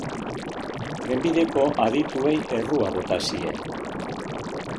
Trenbideko adituei errua bota zien.